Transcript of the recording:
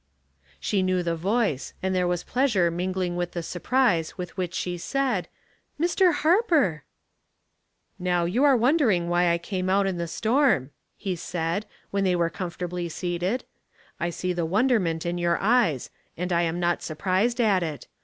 She knew the voice, and there was pleasure mingling with the surprise with which she said, " Mr. Harper !" *'.Now you are wondering why I came out in the storm," he said, when they were comfortably seated. "I see the wonderment in your eyes, and I am not surprised at it.